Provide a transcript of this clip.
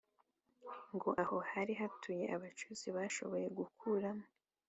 ngo aho hari hatuye abacuzi bashoboye gukuramo